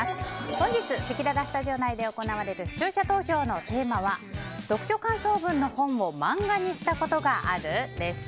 本日せきららスタジオ内で行われる視聴者投票のテーマは読書感想文の本をマンガにしたことがある？です。